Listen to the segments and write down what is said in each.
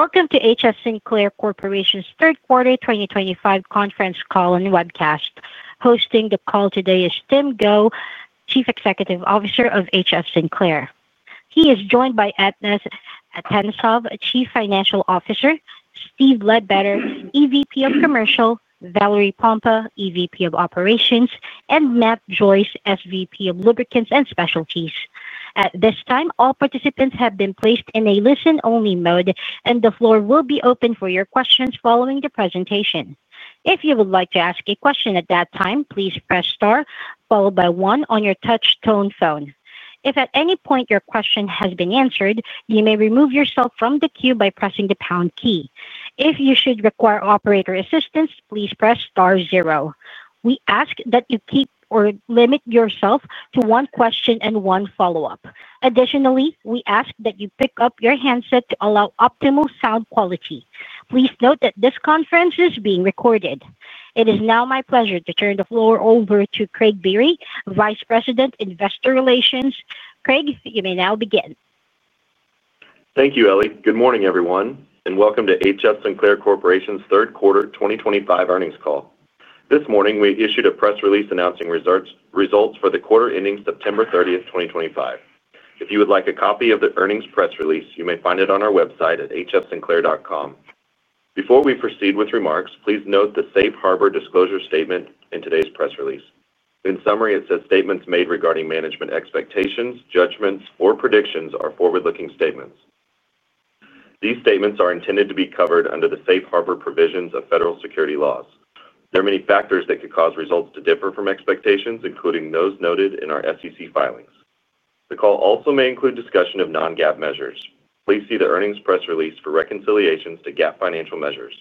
Welcome to HF Sinclair Corporation's third quarter 2025 conference call and webcast. Hosting the call today is Tim Go, Chief Executive Officer of HF Sinclair. He is joined by Atanas Atanasov, Chief Financial Officer, Steve Ledbetter, EVP of Commercial, Valerie Pompa, EVP of Operations, and Matt Joyce, SVP of Lubricants and Specialties. At this time, all participants have been placed in a listen-only mode and the floor will be open for your questions following the presentation. If you would like to ask a question at that time, please press star followed by one on your touchtone phone. If at any point your question has been answered, you may remove yourself from the queue by pressing the pound key. If you should require operator assistance, please press star zero. We ask that you keep or limit yourself to one question and one follow-up. Additionally, we ask that you pick up your handset to allow optimal sound quality. Please note that this conference is being recorded. It is now my pleasure to turn the floor over to Craig Biery, Vice President of Investor Relations. Craig, you may now begin. Thank you, Ellie. Good morning everyone and welcome to HF Sinclair Corporation's third quarter 2025 earnings call. This morning we issued a press release announcing results for the quarter ending September 30th, 2025. If you would like a copy of the earnings press release, you may find it on our website at hfsinclair.com. Before we proceed with remarks, please note the safe harbor disclosure statement in today's press release. In summary, it says statements made regarding management expectations, judgments or predictions are forward-looking statements. These statements are intended to be covered under the safe harbor provisions of federal security laws. There are many factors that could cause results to differ from expectations, including those noted in our SEC filings. The call also may include discussion of non-GAAP measures. Please see the earnings press release for reconciliations to GAAP financial measures.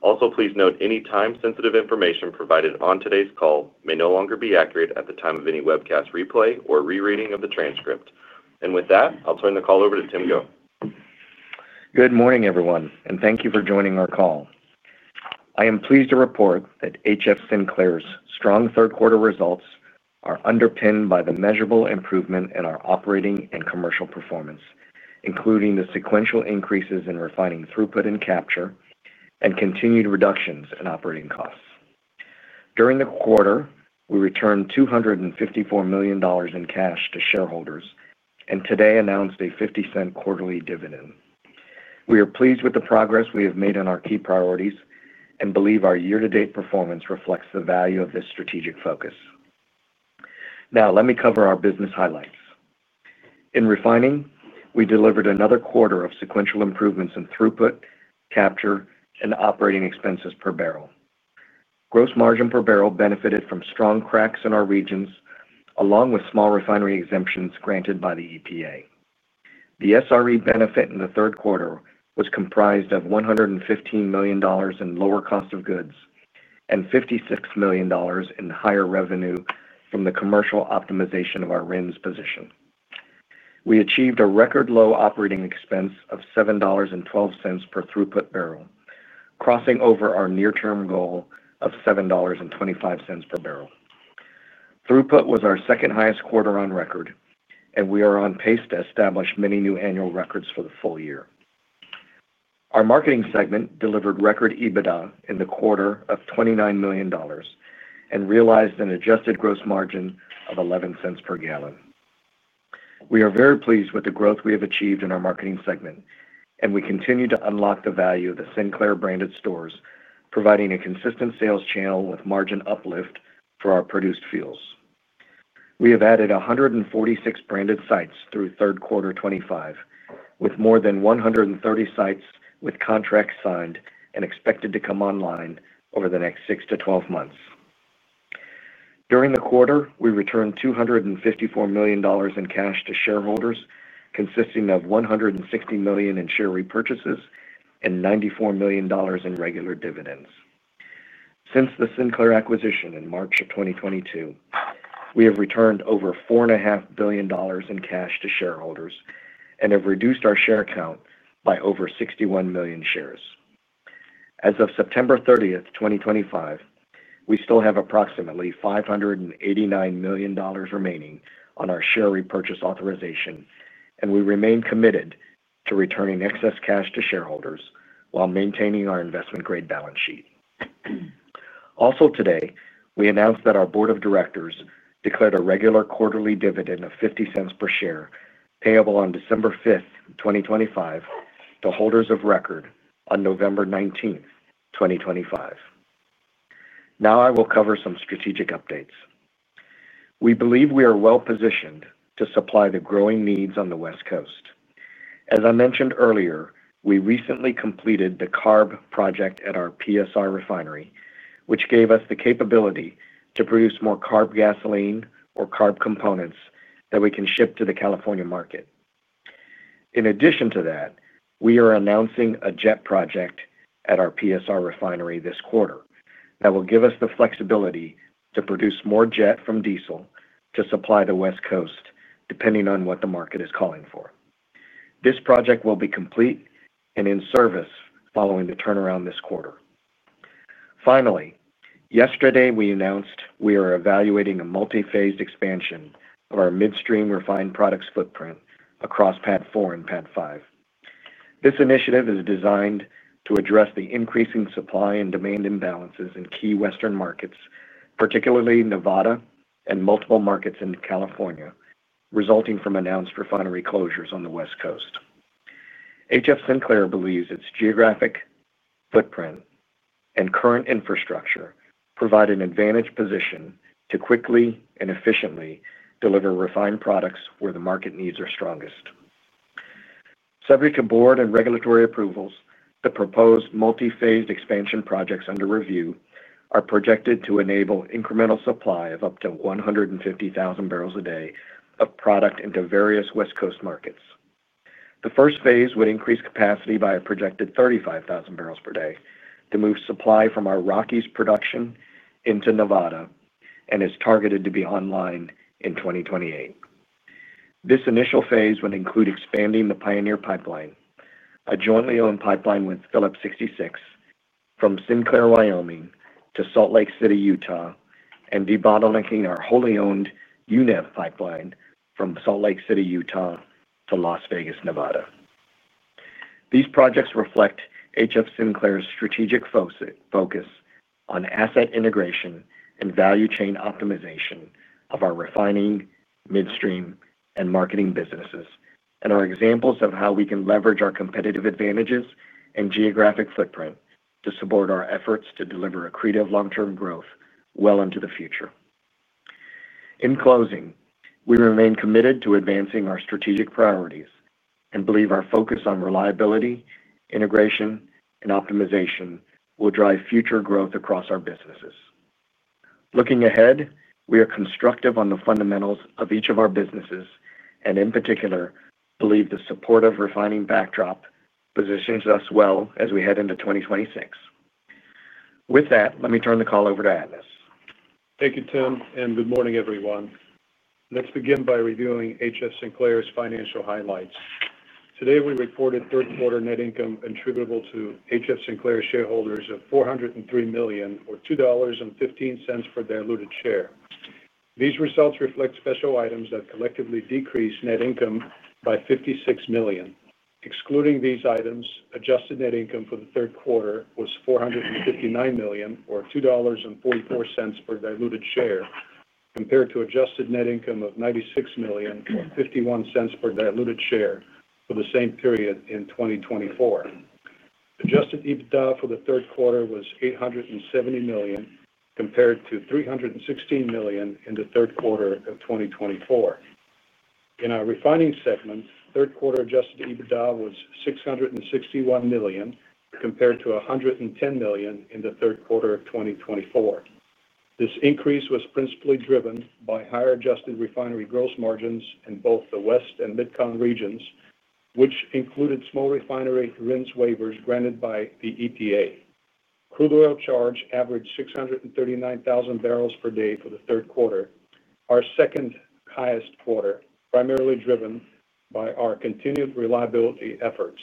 Also, please note any time-sensitive information provided on today's call may no longer be accurate at the time of any webcast replay or rereading of the transcript. With that, I'll turn the call over to Tim Go. Good morning everyone and thank you for joining our call. I am pleased to report that HF Sinclair's strong third quarter results are underpinned by the measurable improvement in our operating and commercial performance, including the sequential increases in refining, throughput and capture, and continued reductions in operating costs during the quarter. We returned $254 million in cash to shareholders and today announced a $0.50 quarterly dividend. We are pleased with the progress we have made on our key priorities and believe our year-to-date performance reflects the value of this strategic focus. Now let me cover our business highlights. In refining, we delivered another quarter of sequential improvements in throughput, capture, and operating expenses per barrel. Gross margin per barrel benefited from strong cracks in our regions along with small refinery exemptions granted by the EPA. The SRE benefit in the third quarter was comprised of $115 million in lower cost of goods and $56 million in higher revenue. From the commercial optimization of our RINs position, we achieved a record low operating expense of $7.12 per throughput barrel, crossing over our near term goal of $7.25 per barrel. Throughput was our second highest quarter on record and we are on pace to establish many new annual records for the full year. Our marketing segment delivered record EBITDA in the quarter of $29 million and realized an adjusted gross margin of $0.11 per gallon. We are very pleased with the growth we have achieved in our marketing segment and we continue to unlock the value of the Sinclair branded stores, providing a consistent sales channel with margin uplift for our produced fuels. We have added 146 branded sites through third quarter 2025 with more than 130 sites with contracts signed and expected to come online over the next six to 12 months. During the quarter, we returned $254 million in cash to shareholders consisting of $160 million in share repurchases and $94 million in regular dividends. Since the Sinclair acquisition in March of 2022, we have returned over $4.5 billion in cash to shareholders and have reduced our share count by over 61 million shares. As of September 30th, 2025, we still have approximately $589 million remaining on our share repurchase authorization and we remain committed to returning excess cash to shareholders while maintaining our investment grade balance sheet. Also today we announced that our Board of Directors declared a regular quarterly dividend of $0.50 per share payable on December 5th, 2025, to holders of record on November 19th, 2025. Now I will cover some strategic updates. We believe we are well positioned to supply the growing needs on the West Coast. As I mentioned earlier, we recently completed the CARB project at our PSR refinery, which gave us the capability to produce more CARB gasoline or CARB components that we can ship to the California market. In addition to that, we are announcing a jet project at our PSR refinery this quarter that will give us the flexibility to produce more jet from diesel to supply the West Coast depending on what the market is calling for. This project will be complete and in service following the turnaround this quarter. Finally, yesterday we announced we are evaluating a multi-phased expansion of our midstream refined products footprint across PADD 4 and PADD 5. This initiative is designed to address the increasing supply and demand imbalances in key Western U.S. markets, particularly Nevada and multiple markets in California, resulting from announced refinery closures on the West Coast. HF Sinclair believes its geographic footprint and current infrastructure provide an advantaged position to quickly and efficiently deliver refined products where the market needs are strongest, subject to Board and regulatory approvals. The proposed multi-phased expansion projects under review are projected to enable incremental supply of up to 150,000 bbl a day of product into various West Coast markets. The first phase would increase capacity by a projected 35,000 bbl per day to move supply from our Rockies production and into Nevada and is targeted to be online in 2028. This initial phase would include expanding the Pioneer Pipeline, a jointly owned pipeline with Phillips 66 from Sinclair, Wyoming to Salt Lake City, Utah, and debottlenecking our wholly owned UNEV Pipeline from Salt Lake City, Utah to Las Vegas, Nevada. These projects reflect HF Sinclair's strategic focus on asset integration and value chain optimization of our refining, midstream, and marketing businesses and are examples of how we can leverage our competitive advantages and geographic footprint to support our efforts to deliver accretive long-term growth well into the future. In closing, we remain committed to advancing our strategic priorities and believe our focus on reliability and integration and optimization will drive future growth across our businesses. Looking ahead, we are constructive on the fundamentals of each of our businesses and in particular believe the supportive refining backdrop positions us well as we head into 2026. With that, let me turn the call over to Atanas. Thank you, Tim, and good morning, everyone. Let's begin by reviewing HF Sinclair's financial highlights. Today we reported third quarter net income attributable to HF Sinclair shareholders of $403 million, or $2.15 per diluted share. These results reflect special items that collectively decrease net income by $56 million. Excluding these items, adjusted net income for the third quarter was $459 million, or $2.44 per diluted share, compared to adjusted net income of $96 million, or $0.51 per diluted share, for the same period in 2024. Adjusted EBITDA for the third quarter was $870 million compared to $316 million in the third quarter of 2024. In our refining segment, third quarter adjusted EBITDA was $661 million compared to $110 million in the third quarter of 2024. This increase was principally driven by higher adjusted refinery gross margins in both the West and Mid-Con regions, which included small refinery RINs waivers granted by the EPA. Crude oil charge averaged 639,000 bbl per day for the third quarter, our second highest quarter, primarily driven by our continued reliability efforts.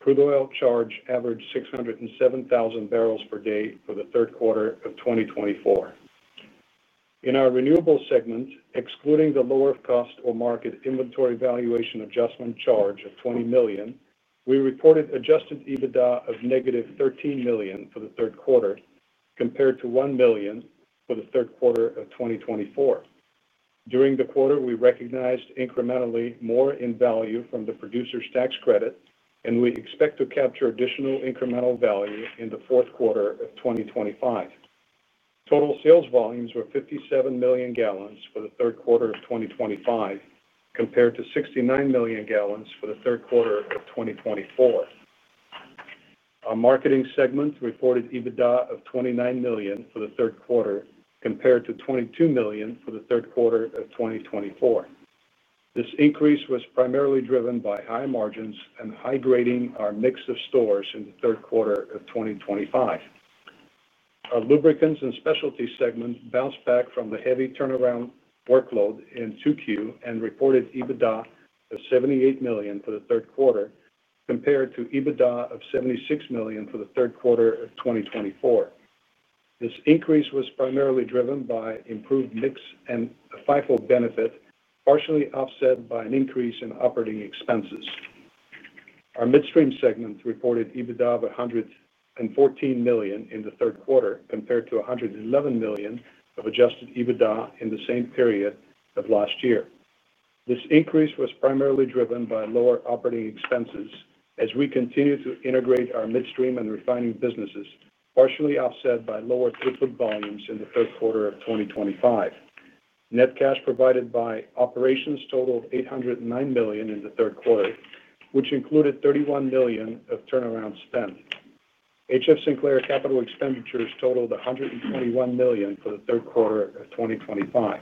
Crude oil charge averaged 607,000 bbl per day for the third quarter of 2024 in our renewables segment. Excluding the lower of cost or market inventory valuation adjustment charge of $20 million, we reported adjusted EBITDA of negative $13 million for the third quarter compared to $1 million for the third quarter of 2024. During the quarter, we recognized incrementally more in value from the Producer's Tax Credit, and we expect to capture additional incremental value in the fourth quarter of 2025. Total sales volumes were 57 million gallons for the third quarter of 2025 compared to 69 million gallons for the third quarter of 2024. Our marketing segment reported EBITDA of $29 million for the third quarter compared to $22 million for the third quarter of 2024. This increase was primarily driven by high margins and high grading our mix of stores in the third quarter of 2025. Our lubricants and specialty segments bounced back from the heavy turnaround workload in 2Q and reported EBITDA of $78 million for the third quarter compared to EBITDA of $76 million for the third quarter of 2024. This increase was primarily driven by improved mix and FIFO benefit, partially offset by an increase in operating expenses. Our midstream segment reported EBITDA of $114 million in the third quarter compared to $111 million of adjusted EBITDA in the same period of last year. This increase was primarily driven by lower operating expenses as we continue to integrate our midstream and refining businesses, partially offset by lower throughput volumes in the third quarter of 2025. Net cash provided by operations totaled $809 million in the third quarter, which included $31 million of turnaround spend. HF Sinclair capital expenditures totaled $121 million for the third quarter of 2025.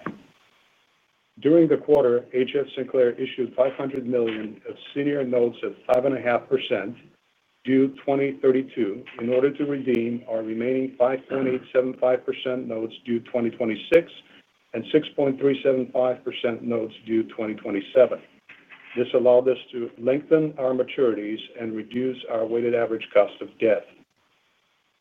During the quarter, HF Sinclair issued $500 million of senior notes at 5.5% due 2032 in order to redeem our remaining 5.875% notes due 2026 and 6.375% notes due 2027. This allowed us to lengthen our maturities and reduce our weighted average cost of debt.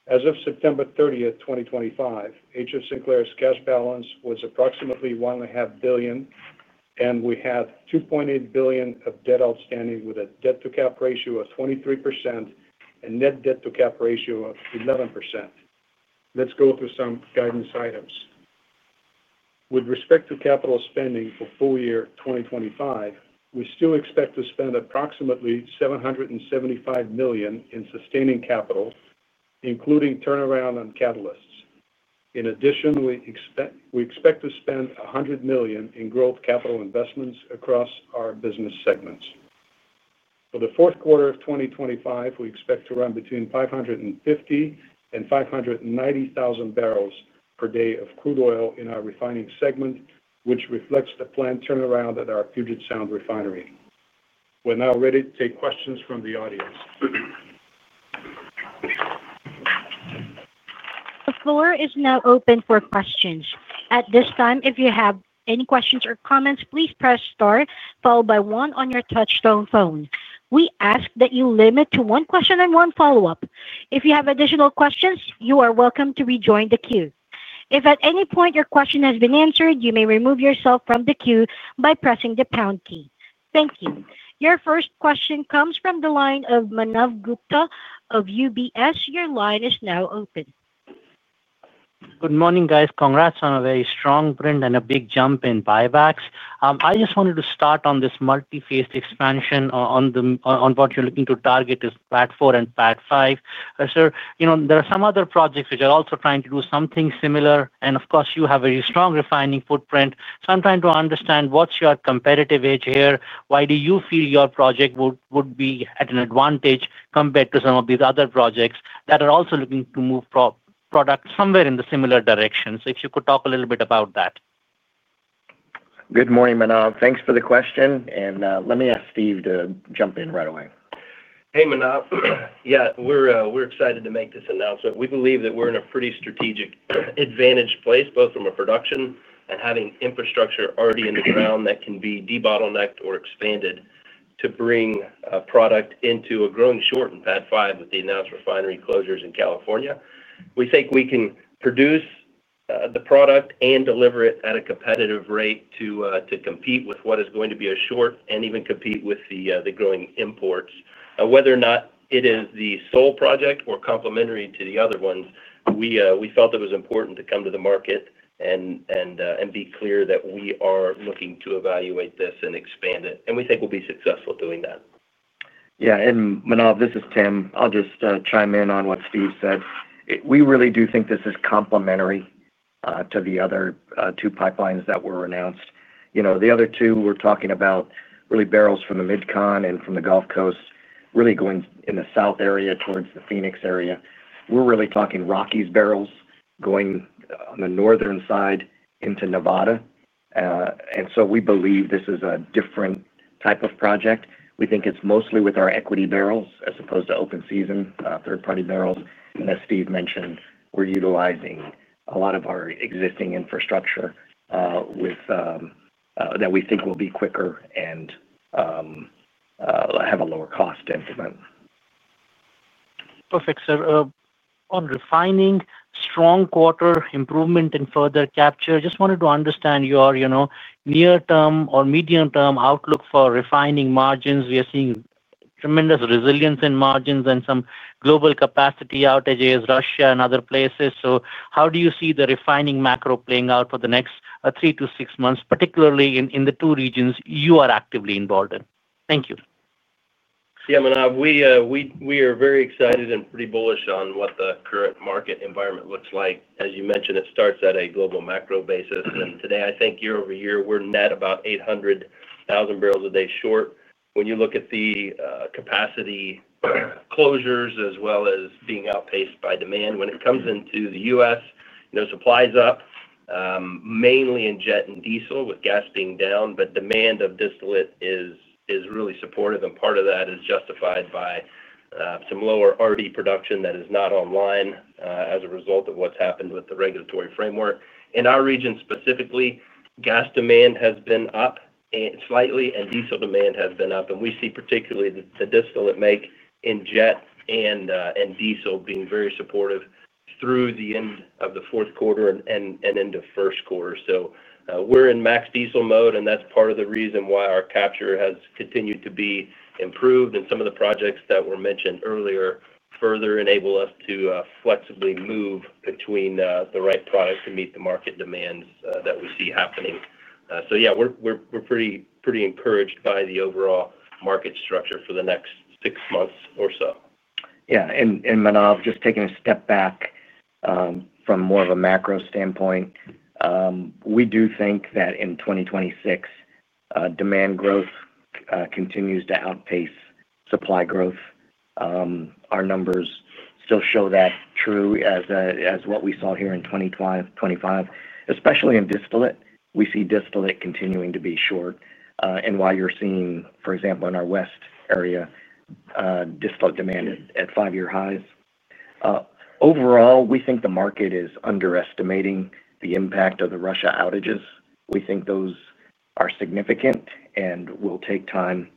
As of September 30th, 2025, HF Sinclair's cash balance was approximately $1.5 billion and we have $2.8 billion of debt outstanding with a debt-to-cap ratio of 23% and net debt-to-cap ratio of 11%. Let's go through some guidance items with respect to capital spending. For full year 2025, we still expect to spend approximately $775 million in sustaining capital, including turnaround and catalysts. In addition, we expect to spend $100 million in growth capital investments across our business segments. For the fourth quarter of 2025, we expect to run between 550,000 and 590,000 bbl per day of crude oil in our refining segment, which reflects the planned turnaround at our Puget Sound Refinery. We're now ready to take questions from the audience. The floor is now open for questions. At this time, if you have any questions or comments, please press star followed by one on your touch-tone phone. We ask that you limit to one question and one follow-up. If you have additional questions, you are welcome to rejoin the queue. If at any point your question has been answered, you may remove yourself from the queue by pressing the pound key. Thank you. Your first question comes from the line of Manav Gupta of UBS. Your line is now open. Good morning, guys. Congrats on a very strong print and a big jump in buybacks. I just wanted to start on this multi-phased expansion on what you're looking to target as PADD 4 and PADD 5. Sir. There are some other projects which are also trying to do something similar, and of course you have a strong refining footprint. I'm trying to understand what's your competitive edge here. Why do you feel your project would be at an advantage compared to some of these other projects that are also looking to move product somewhere in the similar direction? If you could talk a little bit about that. Good morning, Manav. Thanks for the question, and let me ask Steve to jump in right away. Hey Manav. Yeah, we're excited to make this announcement. We believe that we're in a pretty strategic advantaged place, both from a production and having infrastructure already in the ground that can be debottlenecked or expanded to bring product into a growing short in PADD 5. With the announced refinery closures in California, we think we can produce the product and deliver it at a competitive rate to compete with what is going to be a short and even compete with the growing imports. Whether or not it is the sole project or complementary to the other ones, we felt it was important to come to the market and be clear that we are looking to evaluate this and expand it, and we think we'll be successful doing that. Yeah. Manav, this is Tim. I'll just chime in on what Steve said. We really do think this is complementary to the other two pipelines that were announced. The other two we're talking about are really barrels from the Mid-Con and from the Gulf Coast going in the south area towards the Phoenix area. We're really talking Rockies barrels going on the northern side into Nevada. We believe this is a different type of project. We think it's mostly with our equity bbl as opposed to open season third party barrels. As Steve mentioned, we're utilizing a lot of our existing infrastructure, which we think will be quicker and have a lower cost to implement. Perfect, sir. On refining, strong quarter improvement in further capture. Just wanted to understand your near term or medium term outlook for refining margins. We are seeing tremendous resilience in margins and some global capacity outages, Russia and other places. How do you see the refining macro playing out for the next three to six months, particularly in the two regions you are actively involved in? Thank you. Yeah, Manav, we are very excited and pretty bullish on what the current market environment looks like. As you mentioned, it starts at a global macro basis and today I think year-over-year, we're net about 800,000 bbl a day short. When you look at the capacity closures as well as being outpaced by demand when it comes into the U.S., supply is up mainly in jet and diesel, with gas being down, but demand of distillate is really supportive and part of that is justified by some lower renewable diesel production that is not online. As a result of what's happened with the regulatory framework in our region, specifically, gas demand has been up slightly and diesel demand has been up. We see particularly the distillate make in jet and diesel being very supportive through the end of the fourth quarter and into first quarter. We're in max diesel mode and that's part of the reason why our capture has continued to be improved in some of the projects that were mentioned earlier. These further enable us to flexibly move between the right products to meet the market demands that we see happening. We're pretty, pretty encouraged by the overall market structure for the next six months or so. Yeah. Manav, just taking a step back from more of a macro standpoint, we do think that in 2026, demand growth continues to outpace supply growth. Our numbers still show that true as what we saw here in 2025, especially in distillate, we see distillate continuing to be short. While you're seeing, for example, in our West area, distillate demand at five-year highs, overall, we think the market is underestimating the impact of the Russia outages. We think those are significant and will take time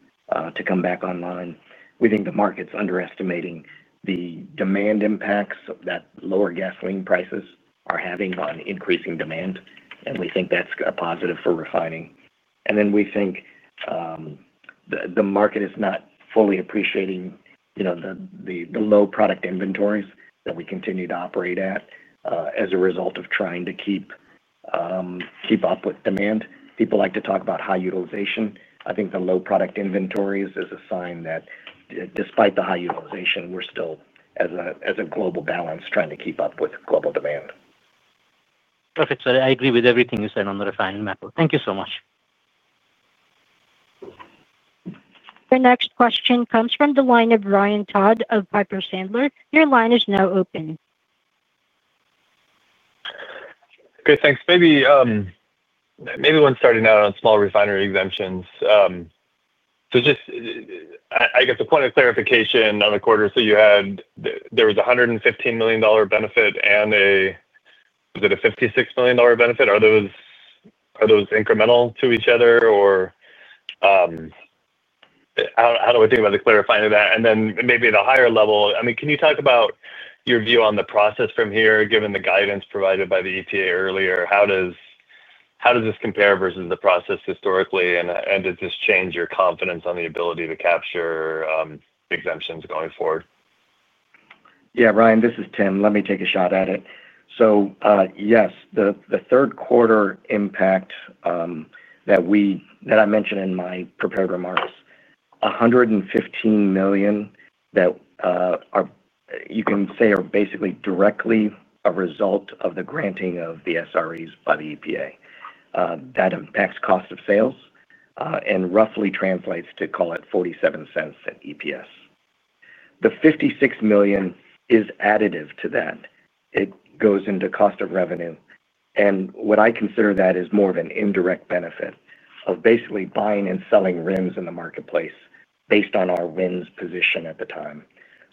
to come back online. We think the market's underestimating the demand impacts that lower gasoline prices are having on increasing demand. We think that's a positive for refining. We think the market is not fully appreciating the low product inventories that we continue to operate at as a result of trying to keep up with demand. People like to talk about high utilization. I think the low product inventories is a sign that despite the high utilization, we're still as a global balance trying to keep up with global demand. Perfect. Sir, I agree with everything you said on the refined mapper. Thank you so much. The next question comes from the line of Ryan Todd of Piper Sandler. Your line is now open. Good, thanks. Maybe when starting out on small refinery exemptions. Just a point of clarification on the quarter. You had, there was a $115 million benefit and a, was it a $56 million benefit? Are those incremental to each other or how do I think about the clarifying of that? Maybe at a higher level, can you talk about your view on the process from here? Given the guidance provided by the EPA earlier, how does this compare versus the process historically? Does this change your confidence on the ability to capture exemptions going forward? Yeah, Ryan, this is Tim, let me take a shot at it. Yes, the third quarter impact that I mentioned in my prepared remarks, $115 million that you can say are basically directly a result of the granting of the SREs by the EPA that impacts cost of sales and roughly translates to, call it $0.47 at EPS. The $56 million is additive to that. It goes into cost of revenue. What I consider that is more of an indirect benefit of basically buying and selling RINs in the marketplace based on our RINs position at the time.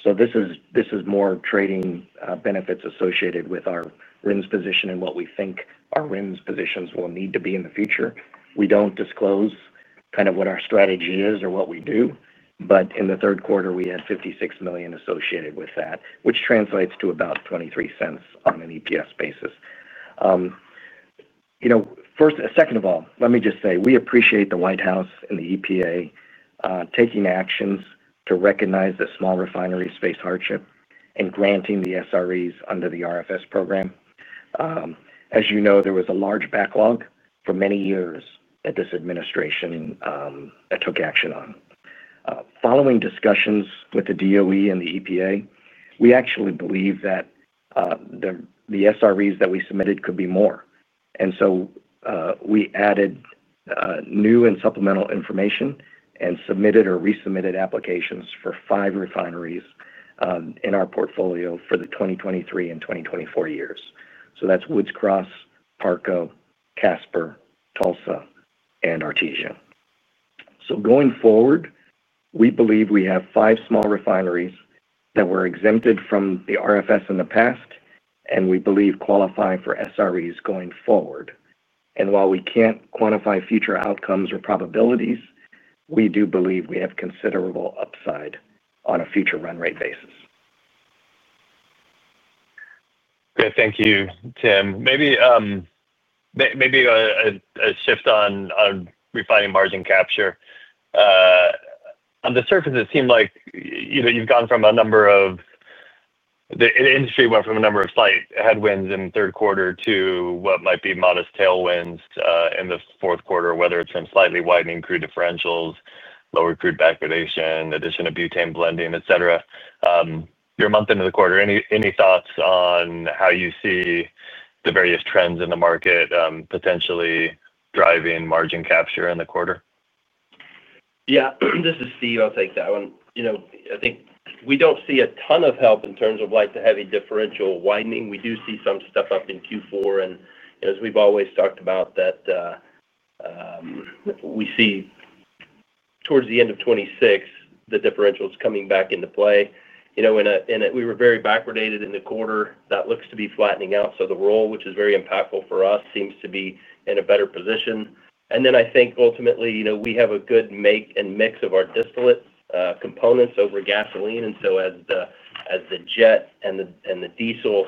This is more trading benefits associated with our RINs position and what we think our RINs positions will need to be in the future. We don't disclose kind of what our strategy is or what we do, but in the third quarter we had $56 million associated with that, which translates to about $0.23 on an EPS basis. First, second of all, let me just say we appreciate the White House and the EPA taking actions to recognize that small refineries face hardship and granting the SREs under the RFS program. As you know, there was a large backlog for many years that this administration took action on following discussions with the DOE and the EPA. We actually believe that the SREs that we submitted could be more. We added new and supplemental information and submitted or resubmitted applications for five refineries in our portfolio for the 2023 and 2024 years. That's Woods Cross, Parco, Casper, Tulsa, and Artesia. Going forward, we believe we have five small refineries that were exempted from the RFS in the past and we believe qualify for SREs going forward. While we can't quantify future outcomes or probabilities, we do believe we have considerable upside on a future run rate basis. Thank you, Tim. Maybe a shift on refining margin capture. On the surface, it seemed like you've gone from a number of the industry went from a number of slight headwinds in third quarter to what might be modest tailwinds in the fourth quarter, whether it's from slightly widening crude differentials, lower crude backwardation, addition of butane blending, etc. You're a month into the quarter. Any thoughts on how you see the various trends in the market potentially driving margin capture in the quarter? Yeah, this is Steve. I'll take that one. I think we don't see a ton of help in terms of like the heavy differential widening. We do see some stuff up in Q4, and as we've always talked about. That. We see towards the end of 2026 the differentials coming back into play, you know, and we were very backwardated in the quarter. That looks to be flattening out. The roll, which is very impactful for us, seems to be in a better position. I think ultimately, you know, we have a good make and mix of our distillate components over gasoline. As the jet and the diesel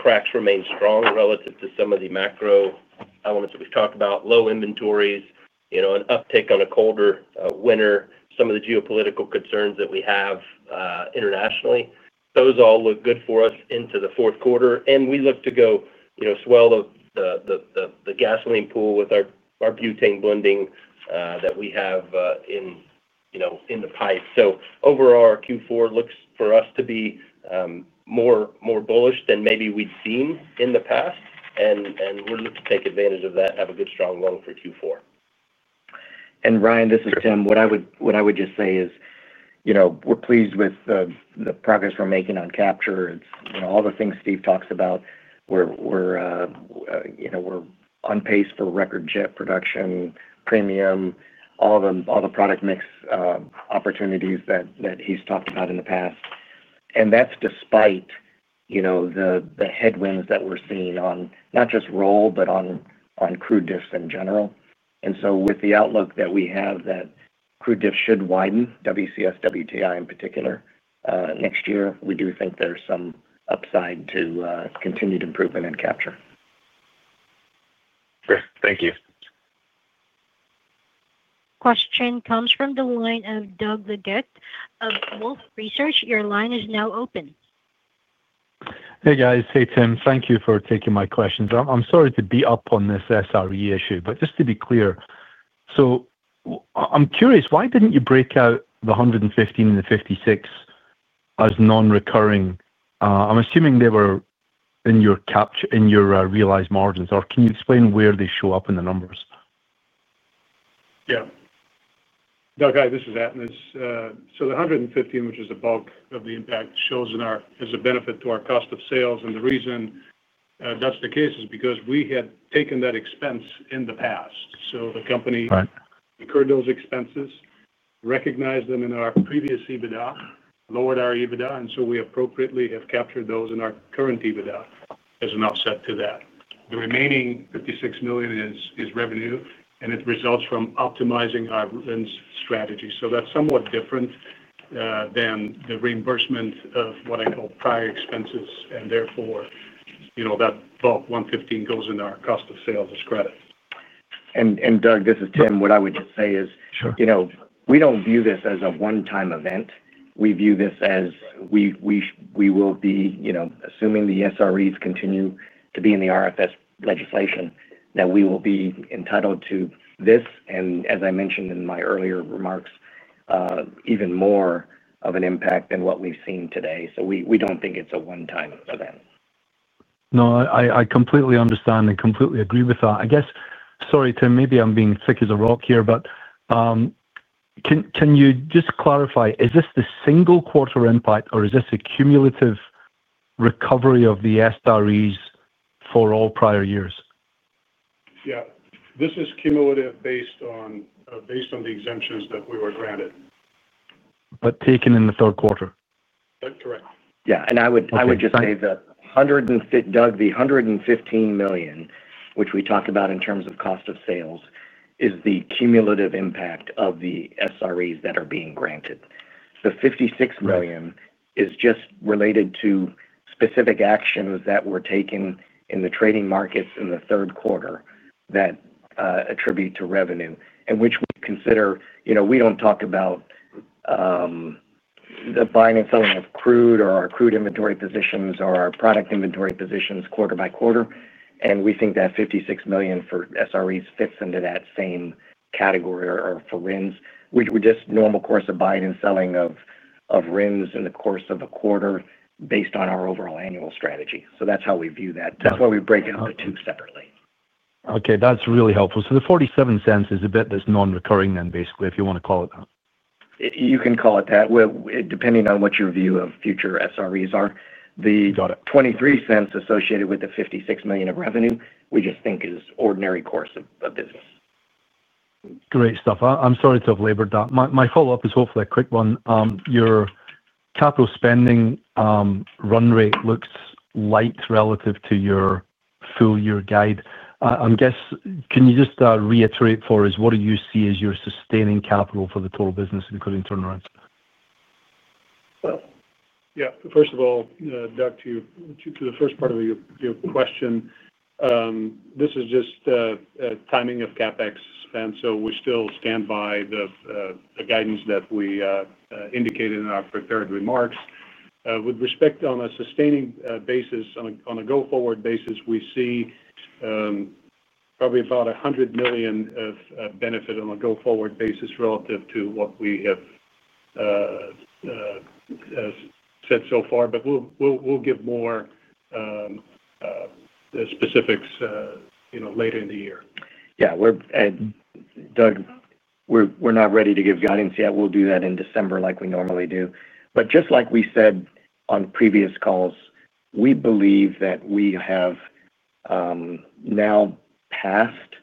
cracks remain strong relative to some of the macro elements that we've talked about—low inventories, an uptick on a colder winter, some of the geopolitical concerns that we have internationally—those all look good for us into the fourth quarter. We look to go, you know, swell the gasoline pool with our butane blending that we have in, you know, in the pipe. Overall, our Q4 looks for us to be more bullish than maybe we'd seen in the past. We're looking to take advantage of that, have a good strong loan for Q4. Ryan, this is Tim. What I would just say is, you know, we're pleased with the progress we're making on capture. All the things Steve talks about, you know, we're on pace for record jet production premium, all the product mix opportunities that he's talked about in the past. That's despite the headwinds that we're seeing on not just roll, but on crude diffs in general. With the outlook that we have that crude diffs should widen WCS, WTI in particular next year, we do think there's some upside to continued improvement in capture. Thank you. Question comes from the line of Doug Leggate of Wolfe Research. Your line is now open. Hey guys. Hey Tim, thank you for taking my questions. I'm sorry to be up on this SRE issue, but just to be clear. So. I'm curious, why didn't you break out the $115 million and the $56 million as non-recurring? I'm assuming they were in your capture, in your realized margins, or can you explain where they show up in the numbers? Yeah, Doug, hi, this is Atanas. The $115 million, which is the bulk of the impact, shows in our as a benefit to our cost of sales. The reason that's the case is because we had taken that expense in the past. The company incurred those expenses, recognized them in our previous EBITDA, lowered our EBITDA, and we appropriately have captured those in our current EBITDA as an offset to that. The remaining $56 million is revenue and it results from optimizing hybrid strategy. That's somewhat different than the reimbursement of what I call prior expenses. Therefore, that bulk $115 million goes into our cost of sales as credit. Doug, this is Tim, what I would just say is sure, you know, we don't view this as a one time event. We view this as we will be, you know, assuming the SREs continue to be in the RFS legislation, that we will be entitled to this and as I mentioned in my earlier remarks, even more of an impact than what we've seen today. We don't think it's a one time event. No, I completely understand and completely agree with that. Sorry, Tim, maybe I'm being thick as a rock here, but can you just clarify, is this the single quarter impact or is this a cumulative recovery of the SRES for all prior years? Yeah, this is cumulative based on the exemptions that we were granted. But taken in the third quarter? Correct. Yeah. I would just say that, Doug, the $115 million which we talked about in terms of cost of sales is the cumulative impact of the SREs that are being granted. The $56 million is just related to specific actions that were taken in the trading markets in the third quarter that attribute to revenue and which we consider. You know, we don't talk about the buying and selling of crude or our crude inventory positions or our product inventory positions quarter-by-quarter. We think that $56 million for SREs fits into that same category for RINs. It's just normal course of buying and selling of RINs in the course of a quarter based on our overall annual strategy. That's how we view that, that's why we break it up the two separately. Okay, that's really helpful. The $0.47 is a bit. That's non-recurring then. Basically, if you want to call it that? you can call it that depending on what your view of future SREs are. The $0.23 associated with the $56 million of revenue we just think is ordinary course of business. Great stuff. I'm sorry to have labored that. My follow up is awfully a quick one. Your capital spending run rate looks light relative to your full year guide, I guess. Can you just reiterate for us what do you see as your sustaining capital for the total business, including turnarounds? Yeah. First of all, Doug, to the first part of your question, this is just timing of CapEx spend. We still stand by the guidance that we indicated in our prepared remarks with respect on a sustaining basis. On a go forward basis, we see probably about $100 million of benefit on a go forward basis relative to what. We have. Said so far, we'll give more specifics later in the year. Yeah, Doug, we're not ready to give guidance yet. We'll do that in December like we normally do. Just like we said on previous calls, we believe that we have now passed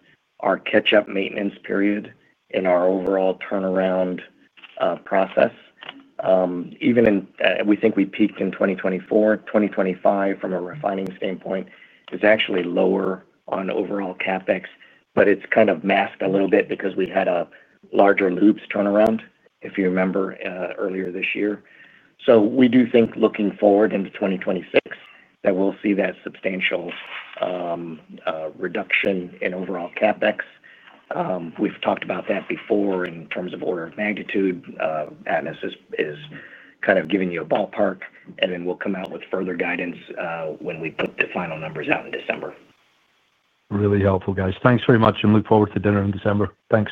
our catch-up maintenance period in our overall turnaround process. We think we peaked in 2024. 2025 from a refining standpoint is actually lower on overall CapEx, but it's kind of masked a little bit because we had a larger loops turnaround, if you remember, earlier this year. We do think looking forward into 2026 that we'll see that substantial reduction in overall CapEx. We've talked about that before in terms of order of magnitude. Atlas is kind of giving you a ballpark, and then we'll come out with further guidance when we put the final numbers out in December. Really helpful, guys. Thanks very much and look forward to dinner in December. Thanks.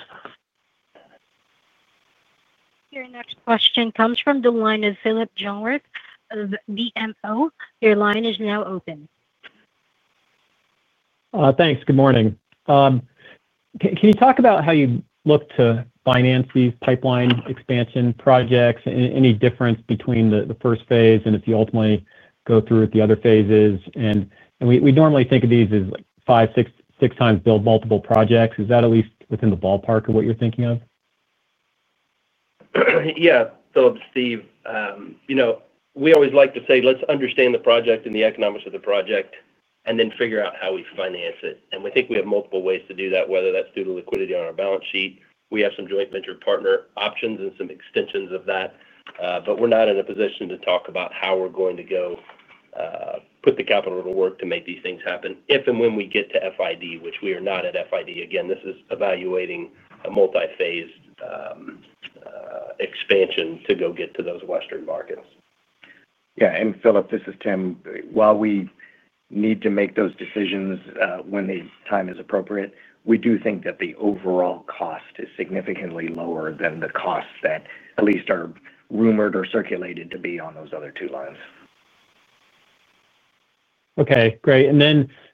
Your next question comes from the line of Phillip Jungwirth of BMO. Your line is now open. Thanks. Good morning. Can you talk about how you look to finance these pipeline expansion projects? Any difference between the first phase and if you ultimately go through with the other phases? We normally think of these as 5x, 6x build multiple projects. Is that at least within the ballpark of what you're thinking of? Yeah. Phillip. Steve, you know we always like to say let's understand the project and the economics of the project and then figure out how we finance it. We think we have multiple ways to do that, whether that's due to liquidity on our balance sheet, we have some joint venture partner options and some extensions of that. We're not in a position to talk about how we're going to go put the capital to work to make these things happen. If and when we get to FID, which we are not at FID, this is evaluating a multi-phased expansion to go get to those Western markets. Yeah. Phillip, this is Tim. While we need to make those decisions when the time is appropriate, we do think that the overall cost is significantly lower than the cost that at least are rumored or circulated to be on those other two lines. Okay, great.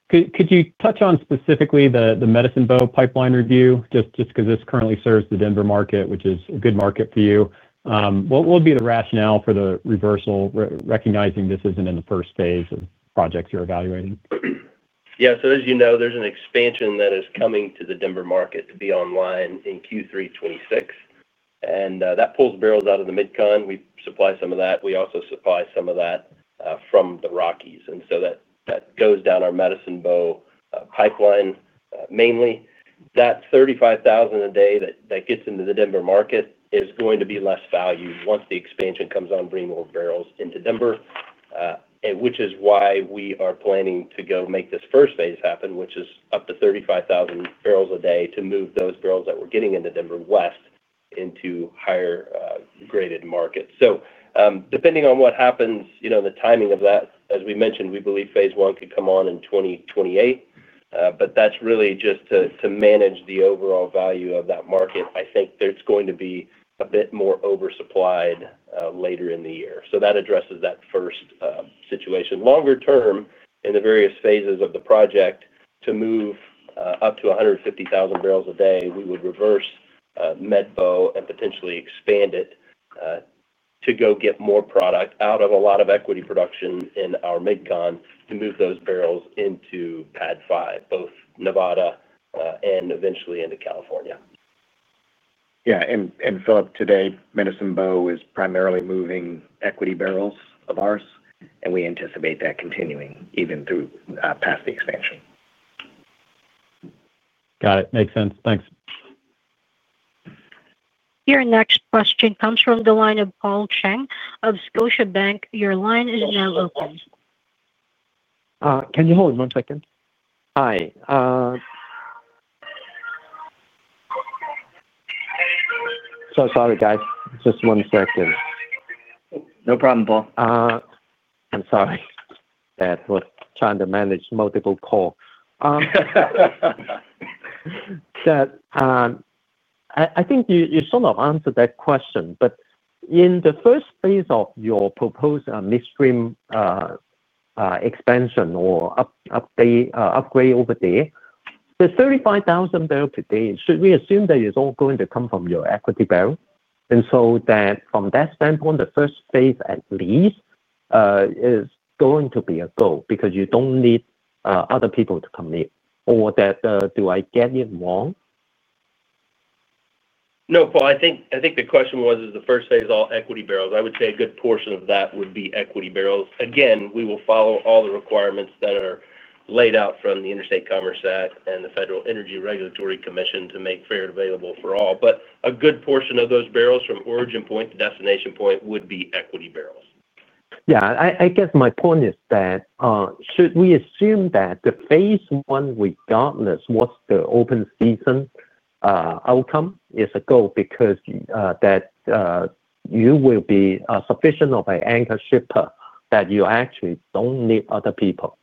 Could you touch on specifically the Medicine Bow pipeline review? Just because this currently serves the. Denver market, which is a good market for you. What will be the rationale for the reversal? Recognizing this isn't in the first phase of projects you're evaluating? Yeah. As you know, there's an expansion that is coming to the Denver market. It will be online in Q3 2026, and that pulls bbl out of the midcon. We supply some of that. We also supply some of that from the Rockies, and that goes down our Medicine Bow pipeline. Mainly, that 35,000 bbl a day that gets into the Denver market is going to be less valued once the expansion comes on, bringing more bbl into Denver. That is why we are planning to go make this first phase happen, which is up to 35,000 bbl a day to move those bbl that were getting into Denver west into higher graded markets. Depending on what happens, the timing of that, as we mentioned, we believe phase I could come on in 2028. That is really just to manage the overall value of that market. I think there's going to be a bit more oversupplied later in the year. That addresses that first situation. Longer term, in the various phases of the project to move up to 150,000 bbl a day, we would reverse Medicine Bow and potentially expand it to go get more product out of a lot of equity production in our midcon to move those barrels into PADD 5, both Nevada and eventually into California. Yeah. Phillip, today Medicine Bow is primarily moving equity bbl of ours, and we anticipate that continuing even through past the expansion. Got it. Makes sense. Thanks. Your next question comes from the line of Paul Cheng of Scotiabank. Your line is now open. Can you hold one second? Hi, so sorry guys, just one second. No problem, Paul. I'm sorry, I was trying to manage multiple call. I think you sort of answered that question. In the first phase of your proposed midstream expansion or upgrade over there, the 35,000 bbl per day, should we assume that it's all going to come from your equity barrel and so that from that standpoint the first phase at least is going to be a goal because you don't need other people to come in or that. Do I get it wrong? No, Paul, I think the question was is the first thing is all equity barrels? I would say a good portion of that would be equity barrels. Again, we will follow all the requirements that are laid out from the Interstate Commerce Act and the Federal Energy Regulatory Commission to make fair available for all, but a good portion of those barrels from origin point to destination point would be equity barrels. Yeah, I guess my point is that should we assume that the phase I, regardless of what the open season outcome is, is a go because that you will be sufficient of an anchor shipper that you actually don't need other people?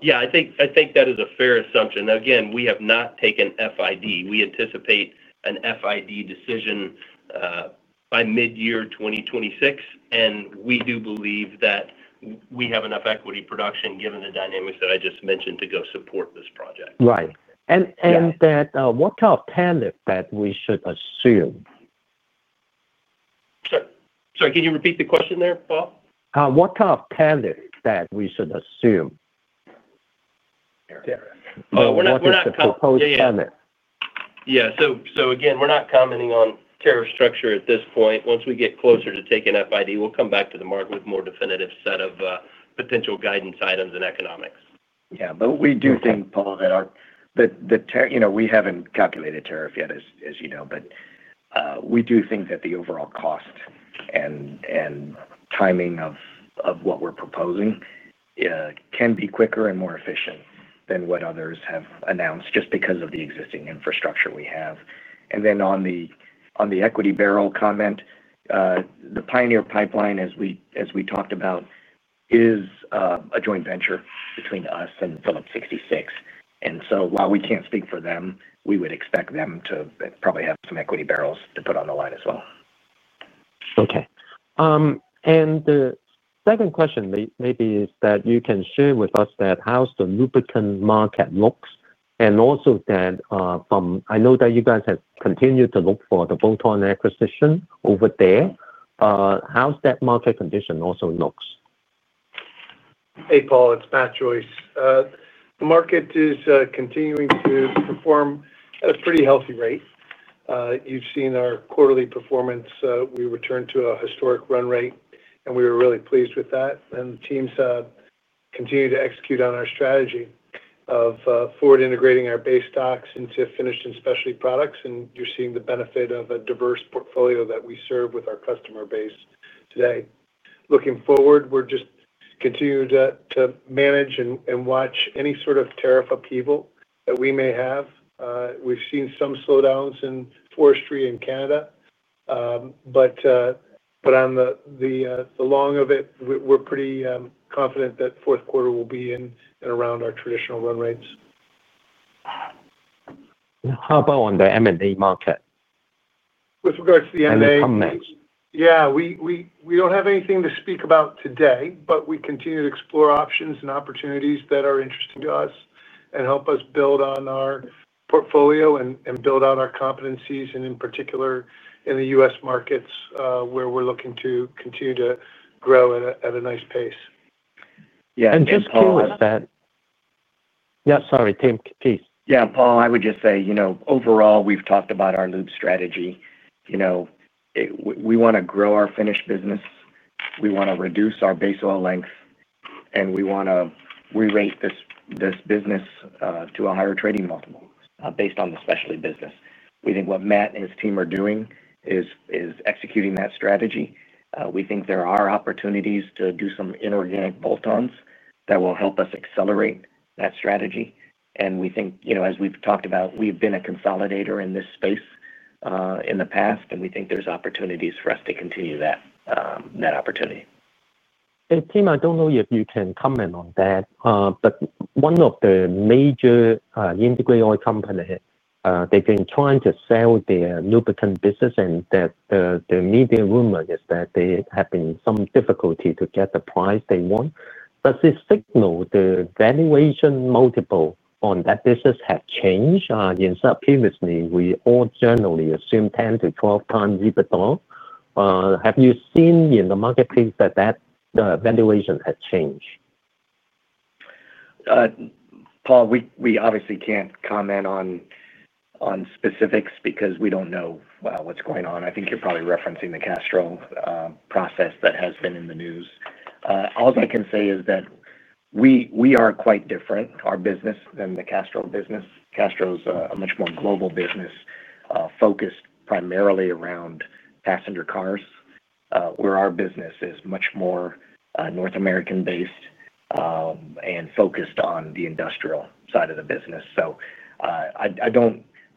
Yeah, I think that is a fair assumption. Again, we have not taken FID. We anticipate an FID decision by midyear 2026, and we do believe that we have enough equity production, given the dynamics that I just mentioned, to go support this project. Right. What kind of tariff that we should assume? Sorry, can you repeat the question there, Paul? What kind of tariff should we assume? What is the proposed tariff? Yeah, again we're not commenting on tariff structure at this point. Once we get closer to taking FID, we'll come back to the market with a more definitive set of potential guidance items and economics. Yeah, we do think, Paul, that we haven't calculated tariff yet, as you know, but we do think that the overall cost and timing of what we're proposing can be quicker and more efficient than what others have announced just because of the existing infrastructure we have. On the equity barrel comment, the Pioneer Pipeline, as we talked about, is a joint venture between us and Phillips 66. While we can't speak for them, we would expect them to probably have some equity barrels to put on the line as well. Okay, and the second question maybe is that you can share with us that how the lubricants market looks and also that from I know that you guys have continued to look for the bolt-on acquisition over there. How's that market condition also looks. Hey Paul, it's Matt Joyce. The market is continuing to perform at a pretty healthy rate. You've seen our quarterly performance. We returned to a historic run rate, and we were really pleased with that. The teams continue to execute on our strategy of forward integrating our base stocks into finished and specialty products. You're seeing the benefit of a diverse portfolio that we serve with our customer base today. Looking forward, we just continue to manage and watch any sort of tariff upheaval that we may have. We've seen some slowdowns in forestry in Canada, but on the long of it we're pretty confident that fourth quarter will be in and around our traditional run rates. How about on the M&A. Market with regards to the M&A? Yeah, we don't have anything to speak about today, but we continue to explore options and opportunities that are interesting to us and help us build on our portfolio and build out our competencies, in particular in the U.S. markets where we're looking to continue to grow at a nice pace. Yeah, just curious about that. Sorry, Tim, please. Yeah, Paul, I would just say, you know, overall we've talked about our loop strategy. You know, we want to grow our finished business, we want to reduce our base oil length, and we want to re-rate this business to a higher trading multiple based on the specialty business. We think what Matt and his team are doing is executing that strategy. We think there are opportunities to do some inorganic bolt-ons that will help us accelerate that strategy. We think, you know, as we've talked about, we've been a consolidator in this space in the past, and we think there's opportunities for us to continue that net opportunity. Tim, I don't know if you can comment on that, but one of the major integrated oil companies, they've been trying to sell their lubricants business and the media rumor is that they have had some difficulty to get the price they want. Does it signal the valuation multiple on that business has changed? Previously, we all generally assume 10x-12x EBITDA. Have you seen in the marketplace that the valuation has changed? Paul, we obviously can't comment on specifics because we don't know what's going on. I think you're probably referencing the Castrol process that has been in the news. All I can say is that we are quite different in our business than the Castrol business. Castrol's a much more global business focused primarily around passenger cars, where our business is much more North American based and focused on the industrial side of the business.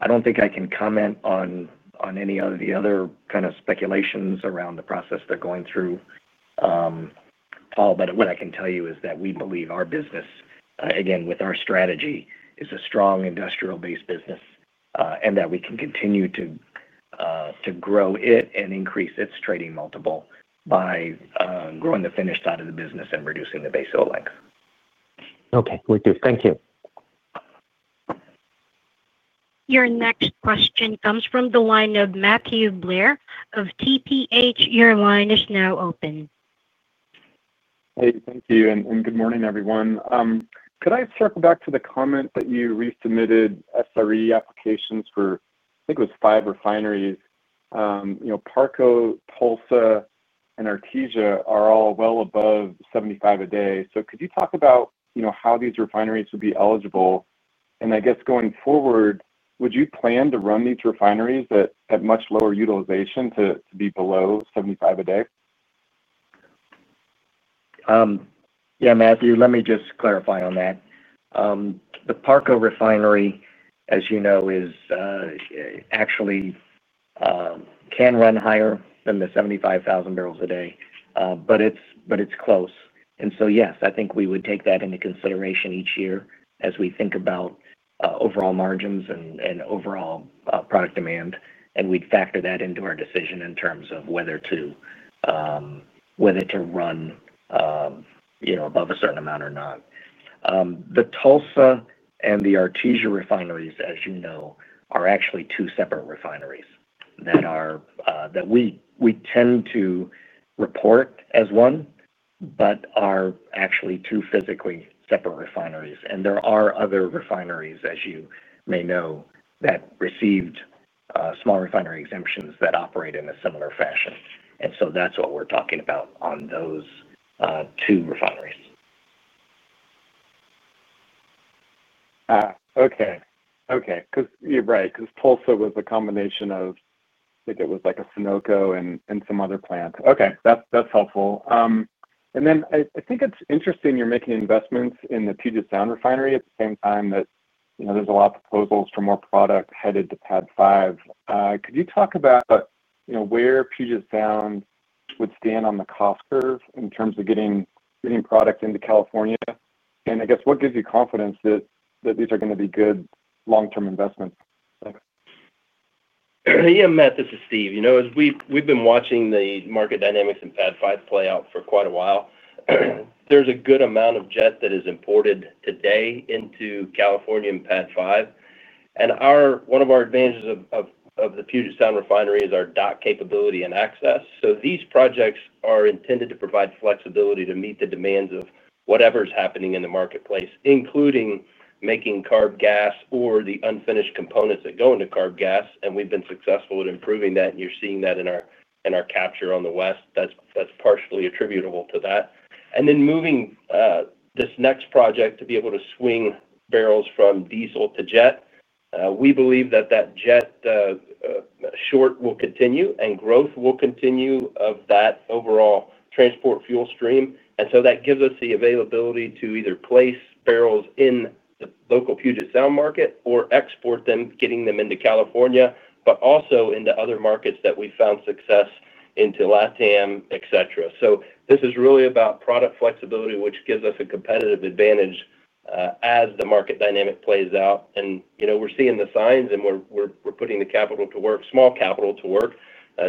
I don't think I can comment on any of the other kind of speculations around the process they're going through, Paul. What I can tell you is that we believe our business, again with our strategy, is a strong industrial based business and that we can continue to grow it and increase its trading multiple by growing the finish side of the business and reducing the base oil length. Okay, we do. Thank you. Your next question comes from the line of Matthew Blair of TPH. Your line is now open. Hey, thank you and good morning, everyone. Could I circle back to the comment that you resubmitted SRE applications for? I think it was five refineries. You know, Parco, Tulsa, and Artesia are all well above 75 a day. Could you talk about how these refineries would be eligible? I guess, going forward, would you plan. To run these refineries that have much lower utilization, to be below 75, a day? Yeah, Matthew, let me just clarify on that. The Parco refinery, as you know, actually can run higher than the 75,000 bbl a day, but it's close. Yes, I think we would take that into consideration each year as we think about overall margins and overall product demand. We'd factor that into our decision in terms of whether to run above a certain amount or not. The Tulsa and the Artesia refineries, as you know, are actually two separate refineries that we tend to report as one, but are actually two physically separate refineries. There are other refineries, as you may know, that received small refinery exemptions that operate in a similar fashion. That's what we're talking about on those two refineries. Okay, okay. Because you're right, because Tulsa was a combination of. I think it was like a Sunoco and some other plant. Okay, that's helpful. I think it's interesting, you're making investments in the Puget Sound Refinery at the same time that there's a lot of proposals for more product headed to PADD 5. Could you talk about where Puget Sound would stand on the cost curve in terms of getting product into California? I guess what gives you confidence that these are going to be good long term investments? Yeah. Matt, this is Steve. You know, we've been watching the market dynamics in PADD 5 play out for quite a while. There's a good amount of jet that is imported today into California and PADD 5. One of our advantages of the Puget Sound Refinery is our dock capability and access. These projects are intended to provide flexibility to meet the demands of whatever is happening in the marketplace, including making CARB gasoline or the unfinished components that go into CARB gasoline. We've been successful at improving that. You're seeing that in our capture on the West. That's partially attributable to that. Moving this next project to be able to swing barrels from diesel to jet, we believe that that jet short will continue and growth will continue of that overall transport fuel stream. That gives us the availability to either place barrels in the local Puget Sound market or export them, getting them into California, but also into other markets that we've found success into, LatAm, et cetera. This is really about product flexibility, which gives us a competitive advantage as the market dynamic plays out. You know, we're seeing the signs and we're putting the capital to work, small capital to work,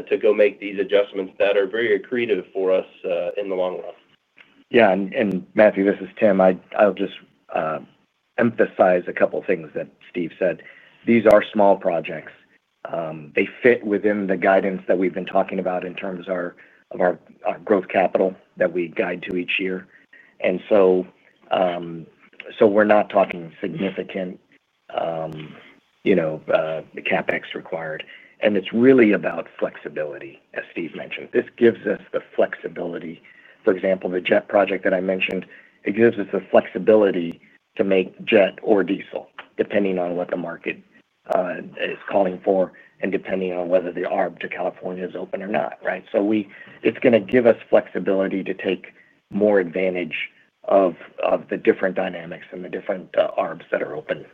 to go make these adjustments that are very accretive for us in the long run. Yeah. Matthew, this is Tim. I'll just emphasize a couple things that Steve said. These are small projects. They fit within the guidance that we've been talking about in terms of our growth capital that we guide to each year. We're not talking significant CapEx required. It's really about flexibility. As Steve mentioned, this gives us the flexibility. For example, the jet project that I mentioned gives us the flexibility to make jet or diesel depending on what the market is calling for and depending on whether the ARB to California is open or not. It's going to give us flexibility to take more advantage of the different dynamics and the different ARBs that are open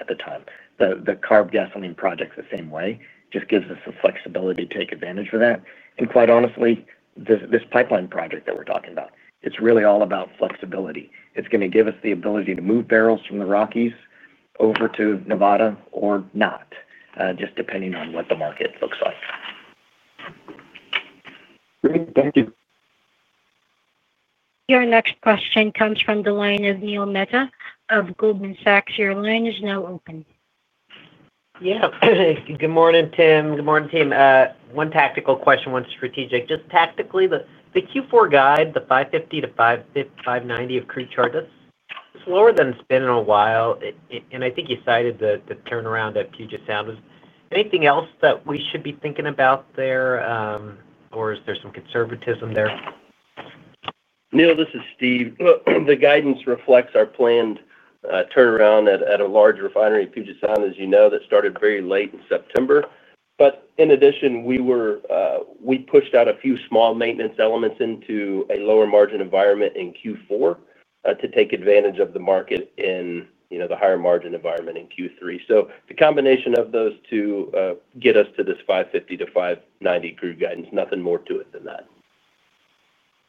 at the time. The CARB gasoline project's the same way, just gives us the flexibility to take advantage of that. Quite honestly, this pipeline project that we're talking about is really all about flexibility. It's going to give us the ability to move barrels from the Rockies over to Nevada or not, just depending on what the market looks like. Thank you. Your next question comes from the line of Neil Mehta of Goldman Sachs. Your line is now open. Yeah. Good morning, Tim. Good morning team. One tactical question, one strategic. Just tactically, the Q4 guide, the 550-590 of crude charts lower than. It's been a while, and I think you cited the turnaround at Puget Sound. Is there anything else that we should be thinking about there, or is there some conservatism there? Neil, this is Steve. The guidance reflects our planned turnaround at a large refinery in Puget Sound. As you know, that started very late September. In addition, we pushed out a few small maintenance elements into a lower margin environment in Q4 to take advantage of the market in the higher margin environment in Q3. The combination of those two get us to this 550-590 crude guidance. Nothing more to it than that.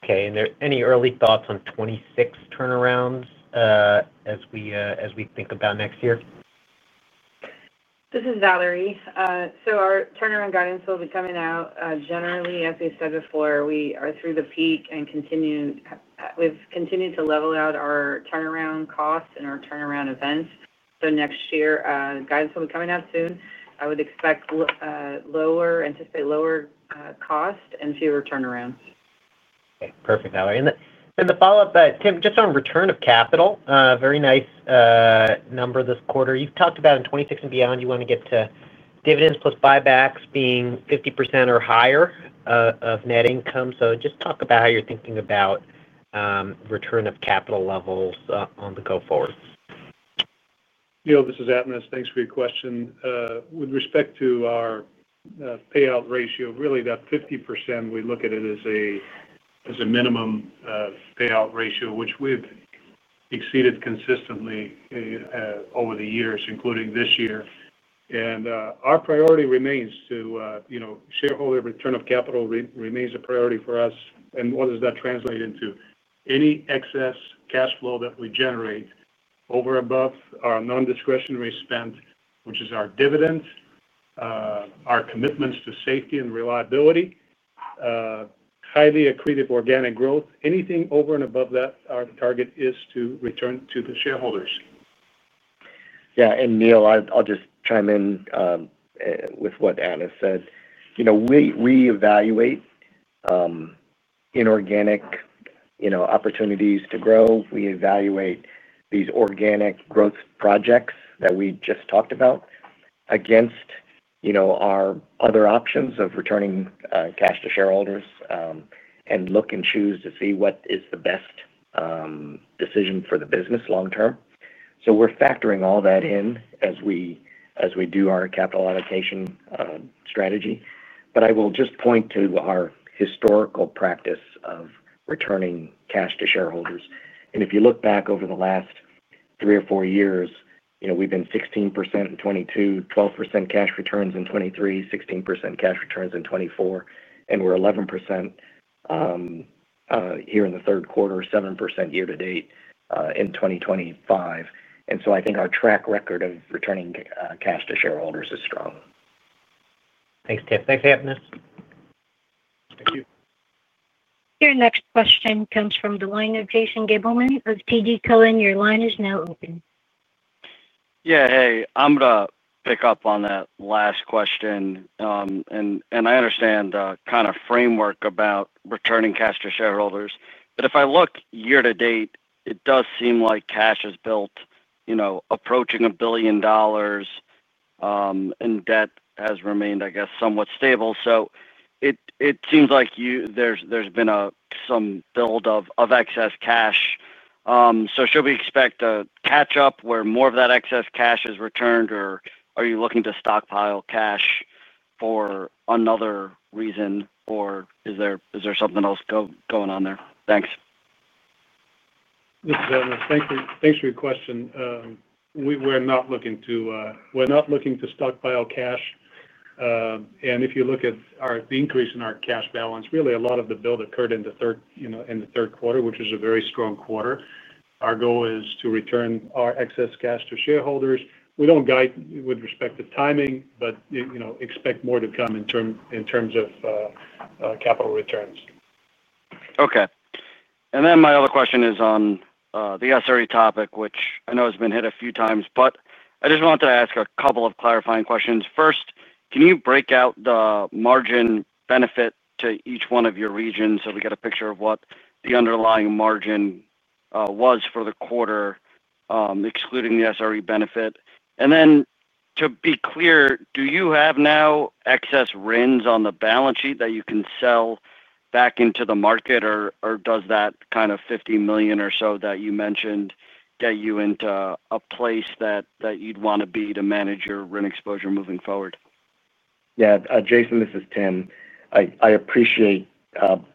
Okay, any early thoughts on 2026? Turnarounds as we think about next year? This is Valerie. Our turnaround guidance will be coming. Out generally, as we said before, we. Are through the peak and continue. We've continued to level out our turnaround costs and our turnaround events. Next year guidance will be coming out soon. I would expect lower, anticipate lower cost and fewer turnarounds. Perfect, Valerie. The follow up, Tim, just. On return of capital, very nice number this quarter you've talked. About in 2026 and beyond, you want to get to dividends plus. Buybacks being 50% or higher of net income. Talk about how you're thinking. About return of capital levels on the go forward. Neil, this is Atanas. Thanks for your question. With respect to our payout ratio, really that 50%. We look at it as a minimum payout ratio, which we've exceeded consistently over the years, including this year. Our priority remains to, you know, shareholder return of capital remains a priority for us. What does that translate into? Any excess cash flow that we generate over, above our non-discretionary spend, which is our dividend, our commitments to safety and reliability, highly accretive organic growth, anything over and above that, our target is to return to the shareholders. Yeah, and Neil, I'll just chime in with what Atanas said. You know, we evaluate inorganic opportunities to grow, we evaluate these organic growth projects that we just talked about against our other options of returning cash to shareholders and look and choose to see what is the best decision for the business long term. We are factoring all that in as we do our capital allocation strategy. I will just point to our historical practice of returning cash to shareholders. If you look back over the last three or four years, we've been 16% in 2022, 12% cash returns in 2023, 16% cash returns in 2024, and we're 11% here in the third quarter, 7% year-to-date in 2025. I think our track record of returning cash to shareholders is strong. Thanks, Tim. Thanks for having us. Thank you. Your next question comes from the line of Jason Gabelman of TD Cowen. Your line is now open. Yeah, hey, I'm going to pick up on that last question. I understand kind of the framework about returning cash to shareholders, but if I look year-to-date, it does seem like cash has built, you know, approaching $1 billion and debt has remained, I guess, somewhat stable. It seems like there's been some build of excess cash. Should we expect a catch up where more of that excess cash is returned, or are you looking to stockpile cash for another reason, or is there something else going on there? Thanks. Thanks for your question. We're not looking to stockpile cash. If you look at the increase in our cash balance, really a lot of the build occurred in the third quarter, which is a very strong quarter. Our goal is to return our excess cash to shareholders. We don't guide with respect to timing, but expect more to come in terms of capital returns. Okay. My other question is on the SRE topic, which I know has been hit a few times, but I just wanted to ask a couple of clarifying questions. First, can you break out the margin benefit to each one of your regions so we get a picture of what the underlying margin was for the quarter excluding the SRE benefit? To be clear, do you have now excess RINs on the balance sheet that you can sell back into the market, or does that kind of $50 million or so that you mentioned get you into a place that you'd want to be to manage your RIN exposure moving forward? Yeah. Jason, this is Tim. I appreciate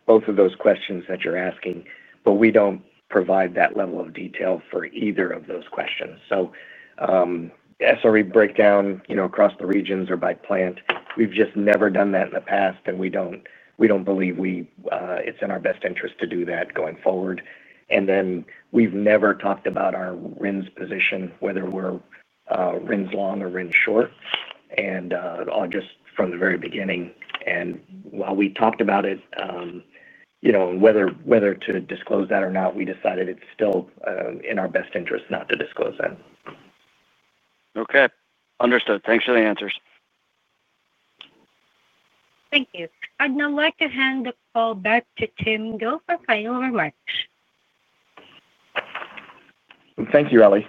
both of those questions that you're asking, but we don't provide that level of detail for either of those questions. SRE breakdown, you know, across the regions or by plant, we've just never done that in the past and we don't believe it's in our best interest to do that going forward. We've never talked about our RINs position, whether we're RINs long or RINs short, all just from the very beginning. While we talked about it, you know, whether to disclose that or not, we decided it's still in our best interest not to disclose that. Okay, understood. Thanks for the answers. Thank you. I'd now like to hand the call back to Tim Go for final remarks. Thank you, Ellie.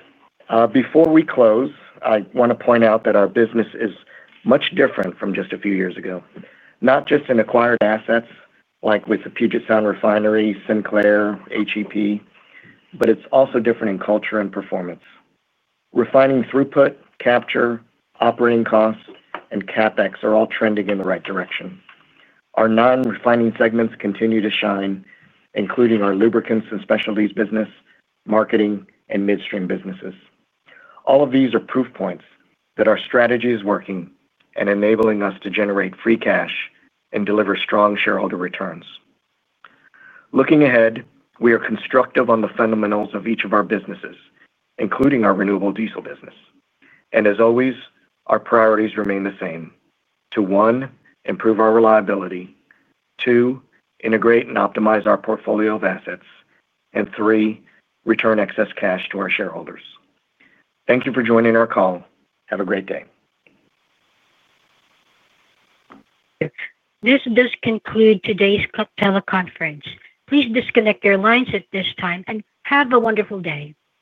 Before we close, I want to point out that our business is much different from just a few years ago. Not just in acquired assets like with the Puget Sound Refinery, Sinclair HEP, but it's also different in culture and performance. Refining, throughput, capture, operating costs, and CapEx are all trending in the right direction. Our non-refining segments continue to shine, including our lubricants and specialties, business marketing, and midstream businesses. All of these are proof points that our strategy is working and enabling us to generate free cash and deliver strong shareholder returns. Looking ahead, we are constructive on the fundamentals of each of our businesses, including our renewable diesel business. Our priorities remain the same: to one, improve our reliability, two, integrate and optimize our portfolio of assets, and three, return excess cash to our shareholders. Thank you for joining our call. Have a great day. This does conclude today's club teleconference. Please disconnect your lines at this time and have a wonderful day.